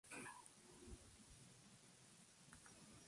Wrestling ese día, pero fue el hombre que salvó a la lucha libre".